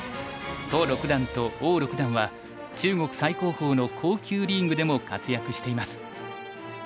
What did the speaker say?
屠六段と王六段は中国最高峰の甲級リーグでも活躍しています。